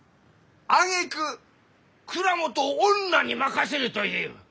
あげく蔵元を女に任せると言いゆう！